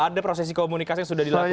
ada prosesi komunikasi yang sudah dilakukan